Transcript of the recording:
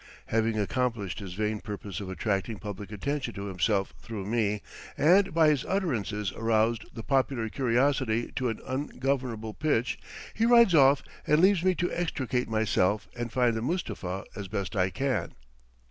Having accomplished his vain purpose of attracting public attention to himself through me, and by his utterances aroused the popular curiosity to an ungovernable pitch, he rides off and leaves me to extricate myself and find the Mustapha as best I can.